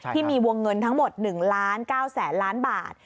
ที่มีวงเงินทั้งหมด๑ล้าน๙แสนล้านบาท